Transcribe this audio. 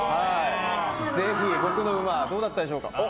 ぜひ、僕のうまどうだったでしょうか。